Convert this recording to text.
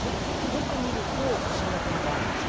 よく見ると、不審な点があるんです。